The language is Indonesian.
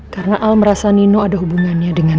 karena al merasa nino ada hubungannya dengan